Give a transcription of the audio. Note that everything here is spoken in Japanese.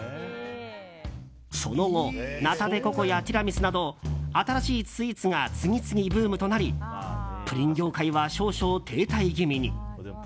その後ナタデココやティラミスなど新しいスイーツが次々ブームとなりプリン業界は少々停滞気味に。